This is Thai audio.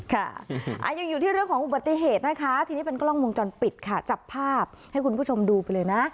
ค่ะยังอยู่ที่เรื่องของอุบัติเหตุนะคะทีนี้เป็นกล้องวงจรปิดค่ะจับภาพให้คุณผู้ชมดูไปเลยนะ